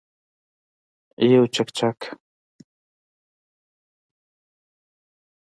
یو چکچک